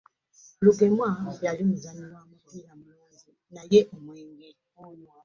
Lugemwa yali muzannyi wa mupiira mulungi naye omwenge!